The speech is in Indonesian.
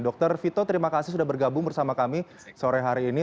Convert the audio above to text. dr vito terima kasih sudah bergabung bersama kami sore hari ini